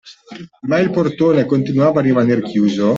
Ma il portone continuava a rimaner chiuso.